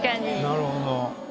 なるほど。